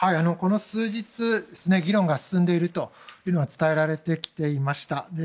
この数日議論が進んでいるというのは伝えられてきていました。